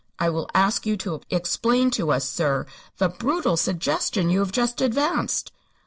I will ask you to explain to us, sir, the brutal suggestion you have just advanced."